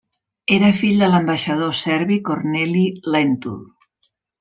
Era fill de l’ambaixador Servi Corneli Lèntul.